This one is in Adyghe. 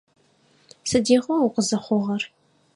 Сыдигъуа укъызыхъугъэр?